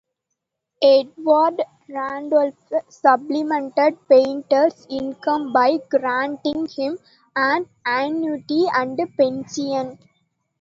Edward Randolph, supplemented Painter's income by granting him an annuity and pension.